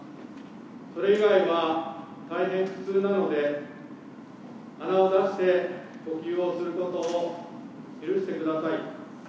それ以外は大変苦痛なので、鼻を出して呼吸をすることを許してください。